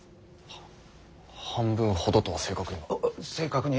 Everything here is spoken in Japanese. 半分ほどとは正確には？